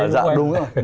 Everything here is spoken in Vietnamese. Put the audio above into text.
dạ đúng rồi